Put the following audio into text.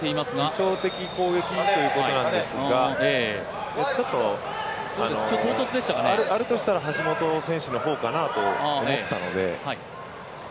偽装的攻撃ということなんですが、あるとしたら橋本選手の方かなと思ったので。